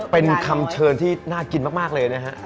เป็นคำเชิญที่น่ากินมากเลยนะฮะ